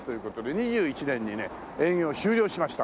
２１年にね営業終了しました。